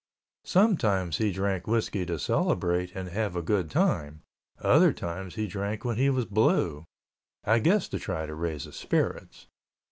Sometimes he drank whiskey to celebrate and have a good time; other times he drank when he was blue. I guess to try to raise his spirits.